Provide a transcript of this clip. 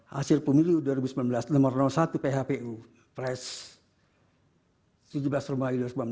hasil pemilu dua ribu sembilan belas nomor satu phpu pres tujuh belas februari dua ribu sembilan belas